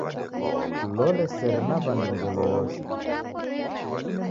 Kulole sere na wandu ngelo yose.